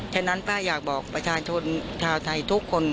ฉะนั้นป้าอยากบอกประชาชนชาวไทยทุกคน